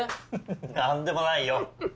何でもないよ。